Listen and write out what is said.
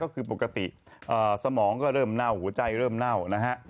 ก็คือปกติสมองก็เริ่มเน่าหัวใจเริ่มเน่านะฮะ